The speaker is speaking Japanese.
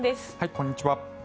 こんにちは。